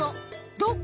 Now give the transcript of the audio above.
どこ？